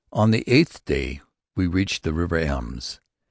] On the eighth day we reached the River Ems.